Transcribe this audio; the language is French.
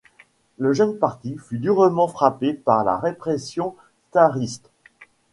Le jeune parti fut durement frappé par la répression tsariste.